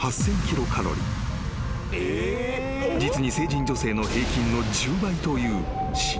［実に成人女性の平均の１０倍という信じられない量］